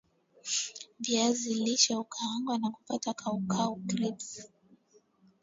vizi lishe hukaangwa na kupata kaukau crisps